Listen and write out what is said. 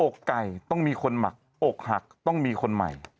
อกไก่ต้องมีคนหมักอกหักต้องมีคนใหม่